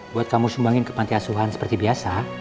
buat kamu sumbangin ke panti asuhan seperti biasa